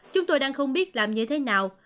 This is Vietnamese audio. chúng tôi đang không biết làm như thế nào